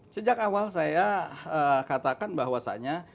sejak awal saya katakan bahwasannya